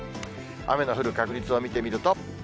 雨の降る確率を見てみると。